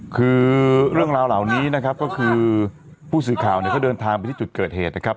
คือเรื่องราวเหล่านี้นะครับก็คือผู้สื่อข่าวเนี่ยเขาเดินทางไปที่จุดเกิดเหตุนะครับ